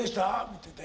見てて。